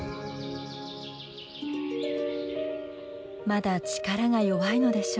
まだ力が弱いのでしょう。